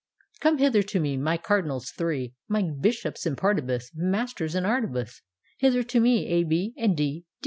— Come hither to me, My Cardinals three, My Bishops in partibus, Masters in Artibus, Hither to me, A. B. and D.